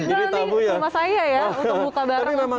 ini rumah saya ya untuk buka barang